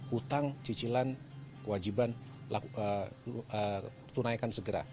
utang cicilan kewajiban tunaikan segera